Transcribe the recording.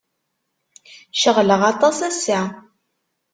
Ceɣleɣ aṭas ass-a.